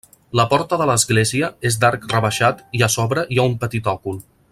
La porta de l'església és d'arc rebaixat i a sobre hi ha un petit òcul.